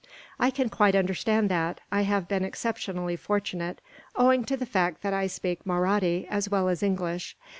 "I can quite understand that. I have been exceptionally fortunate, owing to the fact that I speak Mahratti as well as English.